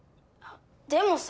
でもさ。